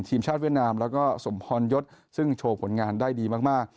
ทีมชาติเวียดนามแล้วก็สมพรยศซึ่งโชว์ผลงานได้ดีมาก